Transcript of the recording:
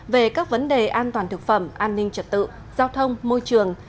về các vấn đề an toàn thực phẩm an ninh trật tự giao thông môi trường